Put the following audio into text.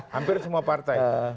hampir semua partai